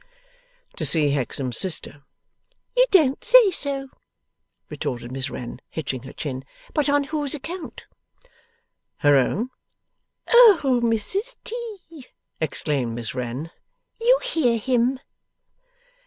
'To see Hexam's sister.' 'You don't say so!' retorted Miss Wren, hitching her chin. 'But on whose account?' 'Her own.' 'O Mrs T.!' exclaimed Miss Wren. 'You hear him!